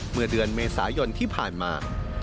เมื่อเดือนเมษายนที่ผ่านมา